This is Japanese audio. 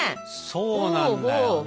そうなんだよね。